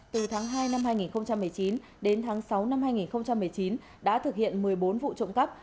từ tháng hai năm hai nghìn một mươi chín đến tháng sáu năm hai nghìn một mươi chín đã thực hiện một mươi bốn vụ trộm cắp